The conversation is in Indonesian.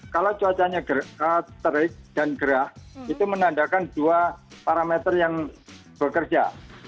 kalau cuacanya terik dan gerah itu menandakan dua parameter yang bekerja